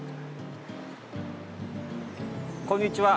こんにちは。